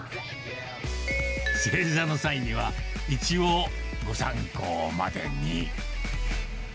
正座の際には、一応、ご参考までに。